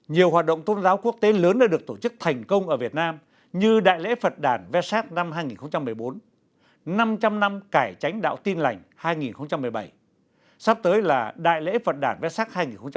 nhiều hoạt động tôn giáo quốc tế lớn đã được tổ chức thành công ở việt nam như đại lễ phật đàn vesak năm hai nghìn một mươi bốn năm trăm linh năm cải tránh đạo tin lành hai nghìn một mươi bảy sắp tới là đại lễ phật đàn vesak hai nghìn một mươi chín